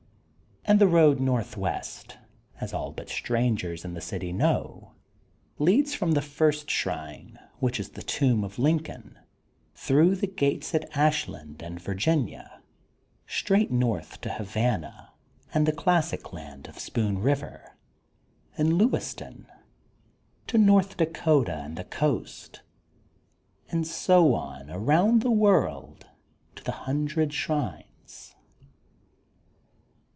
And the road northwest, as all but strangers in the city know, leads from the first shrine, which is the tomb of Lincoln, through the gates at Ashland and Virginia, straight north to Ha vana and the classic land of Spoon Biver and Lewiston, to North Dakota and the coast, and so on around the world to the hundred shrines.